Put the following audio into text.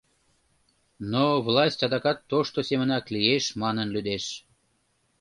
Но власть адакат тошто семынак лиеш манын лӱдеш.